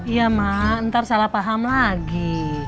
iya mak ntar salah paham lagi